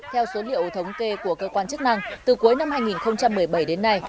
theo số liệu thống kê của cơ quan chức năng từ cuối năm hai nghìn một mươi bảy đến nay